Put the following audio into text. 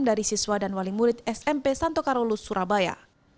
dari siswa dan wali murid smp santo karolus surabaya